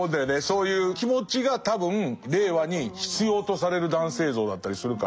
そういう気持ちが多分令和に必要とされる男性像だったりするから。